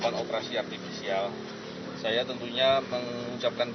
novel baswedan menjawab